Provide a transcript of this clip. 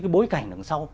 cái bối cảnh đằng sau